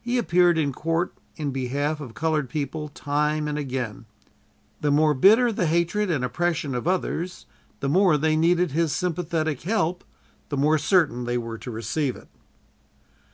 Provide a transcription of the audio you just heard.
He appeared in court in behalf of colored people, time and again. The more bitter the hatred and oppression of others, the more they needed his sympathetic help, the more certain they were to receive it.